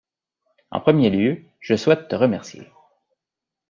En premier lieu je souhaite te remercier.